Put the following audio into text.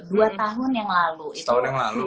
dua tahun yang lalu tahun yang lalu